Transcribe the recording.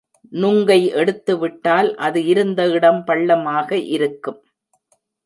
நுங்கை எடுத்துவிட்டால், அது இருந்த இடம் பள்ளமாக இருக்கும்.